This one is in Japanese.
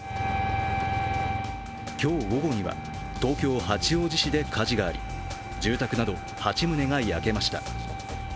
今日午後には、東京・八王子市で火事があり、住宅など８棟が焼けました。